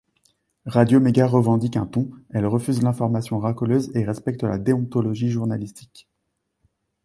Radio Méga revendique un ton, elle refuse l'information racoleuse et respecte la déontologie journalistique.